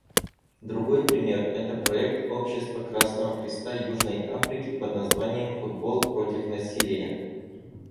Другой пример — это проект общества Красного Креста Южной Африки под названием «Футбол против насилия».